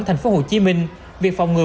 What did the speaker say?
tp hcm việc phòng ngừa